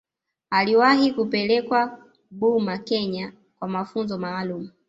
Aliwahi kupelekwa Burma Kenya kwa mafunzo maalumu